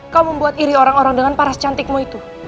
kau membuat iri orang orang dengan paras cantikmu itu